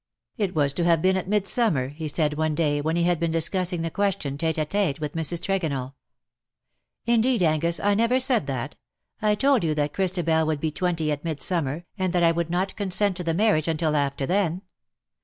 *^ It was to have been at Midsummer/'' he said, one day, when he had been discussing the question tete a tete with Mrs. Tregonell. " Indeed, Angus, I never said that. I told you that Christabel would be twenty at Midsummer, and that I would not consent to the marriage until after then.